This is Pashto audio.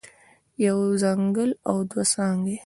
يوه څنګل او دوه څنګلې